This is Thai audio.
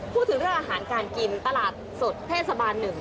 พูดถึงเรื่องอาหารการกินตลาดสดเทศบาล๑